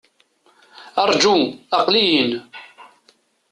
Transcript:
Rǧu! Aql-i-in!